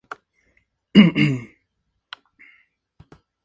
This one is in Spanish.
En dicha cinta, la actriz malagueña compartía estrellato con Carlos Gardel.